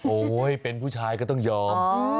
โอ๊ยเป็นผู้ชายก็ต้องยอม